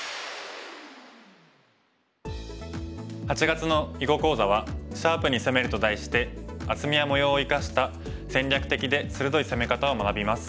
８月の囲碁講座は「シャープに攻める」と題して厚みや模様を生かした戦略的で鋭い攻め方を学びます。